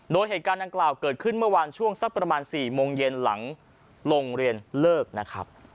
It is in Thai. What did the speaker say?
โดยเหตุการณ์ดังกล่าวเกิดขึ้นเมื่อวานช่วงสักประมาณ๔โมงเย็นหลังโรงเรียนเลิกนะครับ